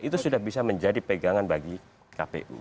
itu sudah bisa menjadi pegangan bagi kpu